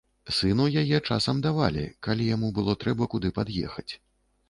Сыну яе часам давалі, калі яму было трэба куды пад'ехаць.